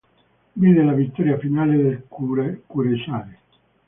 Vide la vittoria finale del Kuressaare.